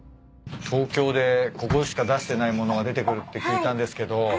東京でここしか出してない物が出てくるって聞いたんですけど。